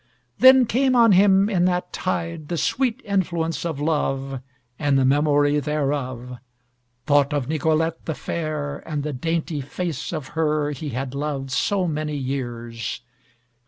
Then came on him in that tide The sweet influence of love And the memory thereof; Thought of Nicolette the fair, And the dainty face of her He had loved so many years.